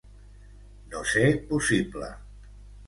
No ser possible.